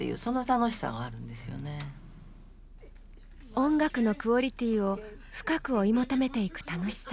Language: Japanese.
音楽のクオリティーを深く追い求めていく楽しさ。